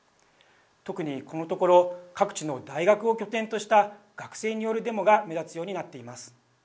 特にこのところ各地の大学を拠点とした学生によるデモが目立つようになっています。